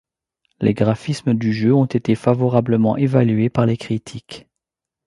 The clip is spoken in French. Les graphismes du jeu ont été favorablement évalués par les critiques.